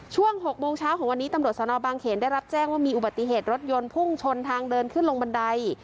ช่วง๖โมงเช้าของวันนี้ตำรวจสนบางเขนได้รับแจ้งว่ามีอุบัติเหตุรถยนต์พุ่งชนทางเดินขึ้นลงบันได